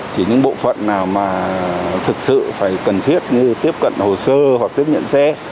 chỉ những bộ phận nào mà thực sự phải cần thiết như tiếp cận hồ sơ hoặc tiếp nhận xe